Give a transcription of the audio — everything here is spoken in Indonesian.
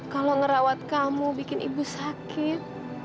kalau ngerawat kamu bikin ibu sakit